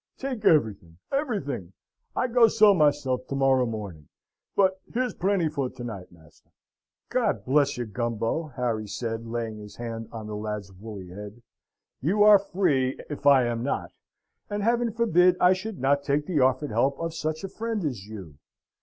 Take everything everything. I go sell myself to morrow morning; but here's plenty for to night, master!" "God bless you, Gumbo!" Harry said, laying his hand on the lad's woolly head. "You are free if I am not, and Heaven forbid I should not take the offered help of such a friend as you.